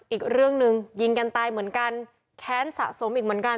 อีกเรื่องหนึ่งยิงกันตายเหมือนกันแค้นสะสมอีกเหมือนกัน